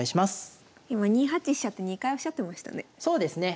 今「２八飛車」って２回おっしゃってましたね。